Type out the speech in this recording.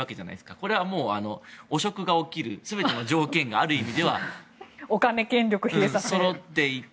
これは汚職が起きる全ての条件がある意味ではそろっていて。